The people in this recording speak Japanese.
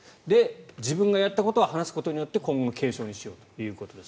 自分がやったことを話すことによって今後の警鐘にしようということです。